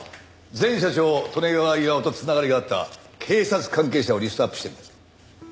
前社長利根川巌と繋がりがあった警察関係者をリストアップしてみた。